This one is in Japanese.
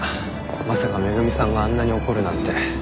まさか恵美さんがあんなに怒るなんて。